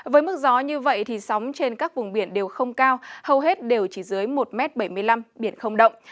với mức gió như vậy thì sóng trên các vùng biển đều không cao hầu hết đều chỉ dưới một m bảy mươi năm biển không động